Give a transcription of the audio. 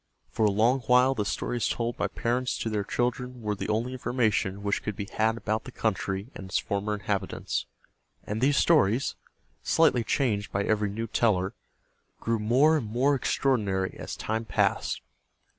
For a long while the stories told by parents to their children were the only information which could be had about the country and its former inhabitants; and these stories, slightly changed by every new teller, grew more and more extraordinary as time passed.